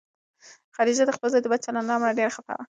خدیجه د خپل زوی د بد چلند له امله ډېره خفه وه.